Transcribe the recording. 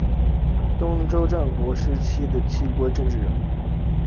东周春秋战国时期齐国的政治人物。